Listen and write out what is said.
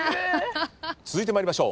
続いて参りましょう。